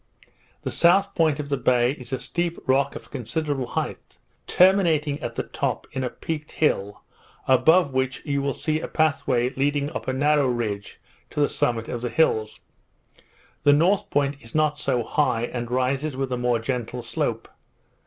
The south point of the bay is a steep rock of considerable height, terminating at the top in a peaked hill, above which you will see a path way leading up a narrow ridge to the summits of the hills. The north point is not so high, and rises with a more gentle slope.